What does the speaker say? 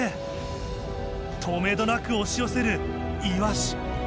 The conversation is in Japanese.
とめどなく押し寄せるイワシイワシイワシ！